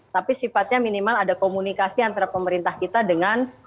tapi sifatnya minimal ada komunikasi antara pemerintah kita dengan